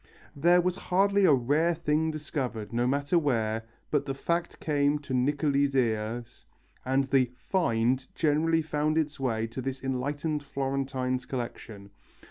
There was hardly a rare thing discovered, no matter where, but the fact came to Niccoli's ears, and the "find" generally found its way to this enlightened Florentine's collection.